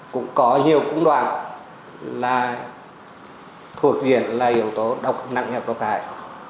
cũng có nhiều cung đoạn là thuộc diện là yếu tố nặng nhập độc hại